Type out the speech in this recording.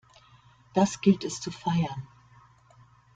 Das gilt es zu feiern!